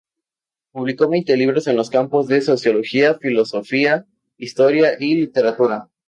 Publicó veinte libros en los campos de sociología, filosofía, historia y literatura.